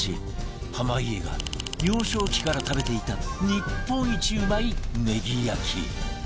濱家が幼少期から食べていた日本一うまいネギ焼き